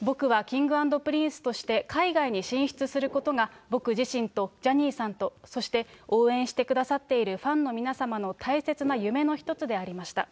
僕はＫｉｎｇ＆Ｐｒｉｎｃｅとして海外に進出することが、僕自身とジャニーさんと、そして応援してくださっているファンの皆様の大切な夢の一つでありました。